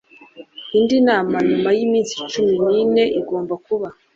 indi nama nyuma y iminsi cumi n ine igomba kuba